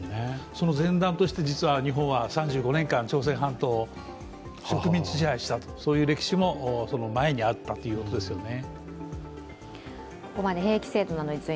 その前段として、実は日本は３５年間、朝鮮半島を植民地支配したという歴史も前にあったということですね。